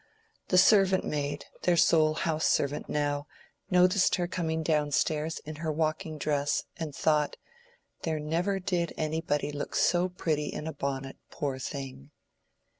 The servant maid, their sole house servant now, noticed her coming down stairs in her walking dress, and thought "there never did anybody look so pretty in a bonnet poor thing."